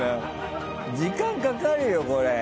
時間かかるよ、これ！